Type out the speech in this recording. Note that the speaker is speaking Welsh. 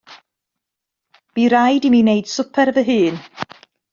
Bu raid i mi wneud swper fy hun.